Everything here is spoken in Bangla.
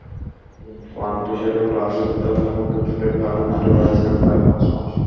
প্রাণতোষেরই ক্লাব-সতীর্থ হেমন্ত চোটের কারণেই মাঠের বাইরে ছিলেন প্রায় পাঁচ মাস।